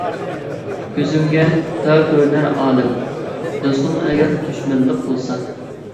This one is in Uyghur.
كۆزۈڭگە تار كۆرۈنەر ئالەم، دوستۇڭ ئەگەر دۈشمەنلىك قىلسا.